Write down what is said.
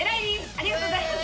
ありがとうございます。